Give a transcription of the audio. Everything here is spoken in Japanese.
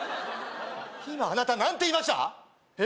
今あなた何て言いました？え？